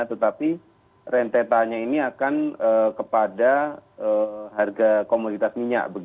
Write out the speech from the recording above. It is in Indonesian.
tetapi rentetanya ini akan kepada harga komunitas minyak